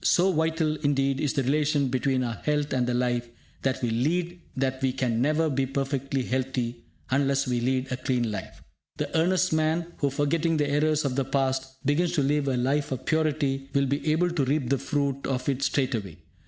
So vital indeed is the relation between our health and the life that we lead that we can never be perfectly healthy unless we lead a clean life. The earnest man who, forgetting the errors of the past, begins to live a life of purity will be able to reap the fruit of it straightway.